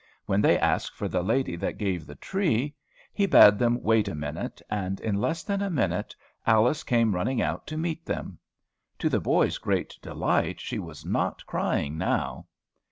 When they asked for the "lady that gave the tree," he bade them wait a minute, and in less than a minute Alice came running out to meet them. To the boys' great delight, she was not crying now.